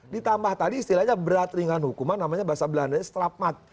ditambah tadi istilahnya berat ringan hukuman namanya bahasa belanda nya strafmat